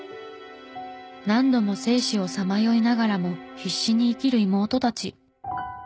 何度も生死をさまよいながらも必死に生きる妹たち。